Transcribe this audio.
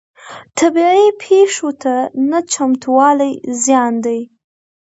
طبیعي پیښو ته نه چمتووالی زیان دی.